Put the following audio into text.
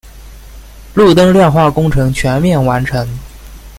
路灯亮化工程全面完成。